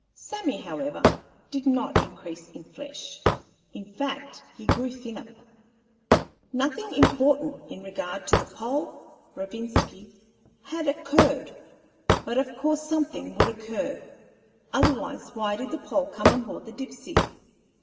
Sammy, however, did not increase in flesh; in fact, he grew thinner. Nothing important in regard to the Pole, Rovinski, had occurred, but of course something would occur; otherwise why did the Pole come on board the Dipsey?